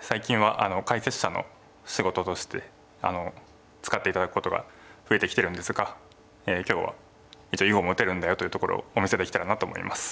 最近は解説者の仕事として使って頂くことが増えてきてるんですが今日は一応囲碁も打てるんだよというところをお見せできたらなと思います。